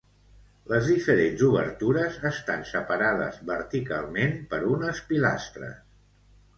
Les diferents obertures estan separades verticalment per unes pilastres.